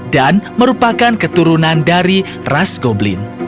dan merupakan keturunan dari ras goblin